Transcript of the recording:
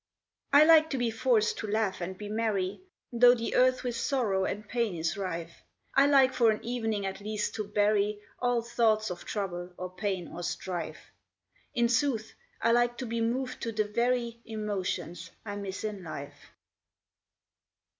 I like to be forced to laugh and be merry, Though the earth with sorrow and pain is rife: I like for an evening at least to bury All thoughts of trouble, or pain, or strife. In sooth, I like to be moved to the very Emotions I miss in life.